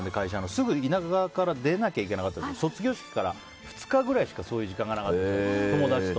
すぐ田舎から出なきゃいけなくて卒業式から２日ぐらいしかそういう時間がなかった、友達と。